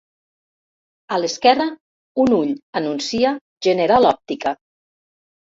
A l'esquerra. un ull anuncia General Òptica.